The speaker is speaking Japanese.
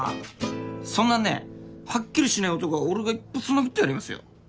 そんなねハッキリしない男は俺が一発殴ってやりますよ。